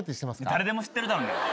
誰でも知ってるだろ！